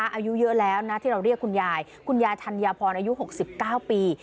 อายุเยอะแล้วนะที่เราเรียกคุณยายคุณยายทันยาพรอายุหกสิบเก้าปี